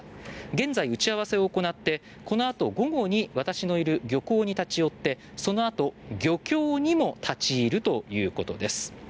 現在、打ち合わせを行ってこのあと、午後に私のいる漁港に立ち寄ってそのあと漁協にも立ち入るということです。